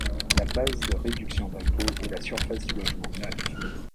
La base de réduction d’impôt est la surface du logement neuf.